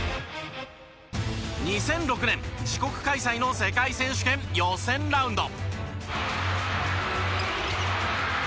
２００６年自国開催の世界選手権予選ラウンド。